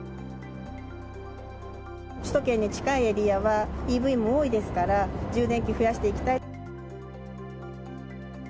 首都圏に近いエリアはＥＶも多いですから充電器を増やしていきたい。